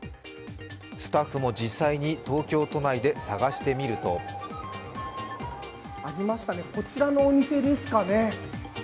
スタッフも実際に東京都内で探してみるとありましたね、こちらのお店ですかね。